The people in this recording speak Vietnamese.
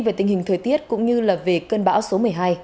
về tình hình thời tiết cũng như là về cơn bão số một mươi hai